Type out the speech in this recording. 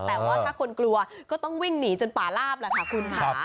แต่ว่าถ้าคนกลัวก็ต้องวิ่งหนีจนป่าลาบแหละค่ะคุณค่ะ